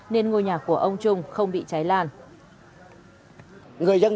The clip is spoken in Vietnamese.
nên ngôi nhà của ông trung không bị cháy lan